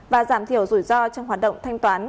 và giảm thiểu rủi ro trong hoạt động thanh toán